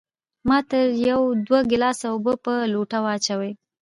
ما ترې يو دوه ګلاسه اوبۀ پۀ لوټه واچولې